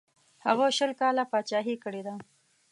هغه شل کاله پاچهي کړې ده.